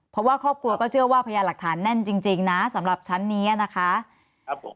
เพราะว่าครอบครัวก็เชื่อว่าพยานหลักฐานแน่นจริงนะสำหรับชั้นนี้นะคะครับผม